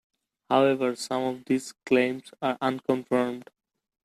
However, some of these claims are unconfirmed.